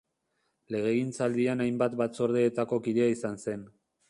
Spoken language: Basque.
Legegintzaldian hainbat batzordeetako kidea izan zen.